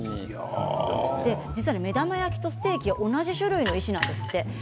目玉焼きとステーキは同じ種類の石なんですって。